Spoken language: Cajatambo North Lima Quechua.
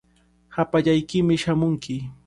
Hapallaykimi shamunki.